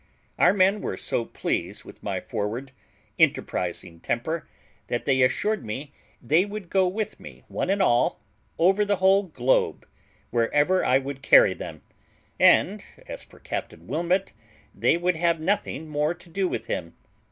Our men were so pleased with my forward, enterprising temper, that they assured me that they would go with me, one and all, over the whole globe, wherever I would carry them; and as for Captain Wilmot, they would have nothing more to do with him.